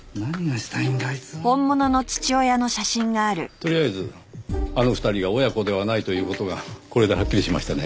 とりあえずあの２人が親子ではないという事がこれではっきりしましたね。